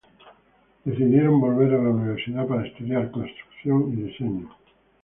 Decidieron volver a la universidad para estudiar construcción y diseño.